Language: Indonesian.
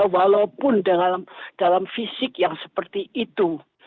walaupun dalam fisik yang seperti itu